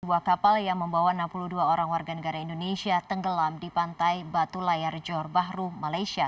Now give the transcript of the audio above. sebuah kapal yang membawa enam puluh dua orang warga negara indonesia tenggelam di pantai batu layar jor bahru malaysia